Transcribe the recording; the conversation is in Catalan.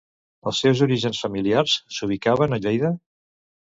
Els seus orígens familiars s'ubicaven a Lleida.